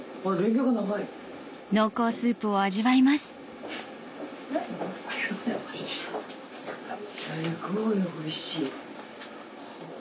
おいしいよ。